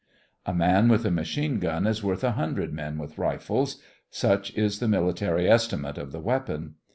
A man with a machine gun is worth a hundred men with rifles; such is the military estimate of the weapon.